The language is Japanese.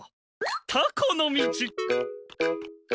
タコのみち！